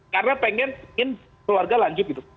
karena pengen keluarga lanjut gitu